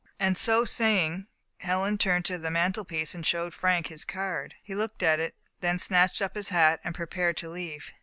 *' And so saying, Helen turned to the mantelpiece and showed Frank his card. He looked at it, then snatched up his hat and pre pared to leave.